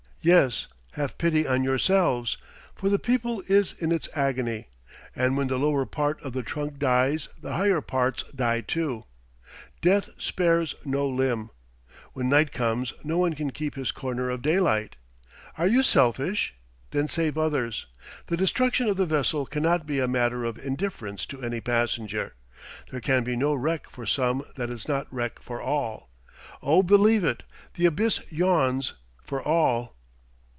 yes, have pity on yourselves; for the people is in its agony, and when the lower part of the trunk dies, the higher parts die too. Death spares no limb. When night comes no one can keep his corner of daylight. Are you selfish? then save others. The destruction of the vessel cannot be a matter of indifference to any passenger. There can be no wreck for some that is not wreck for all. O believe it, the abyss yawns for all!"